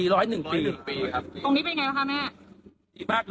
ตรงนี้เป็นยังไงล่ะค่ะแม่